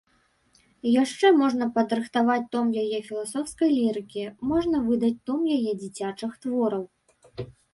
Яшчэ можна падрыхтаваць том яе філасофскай лірыкі, можна выдаць том яе дзіцячых твораў.